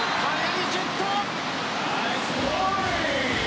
ジェット。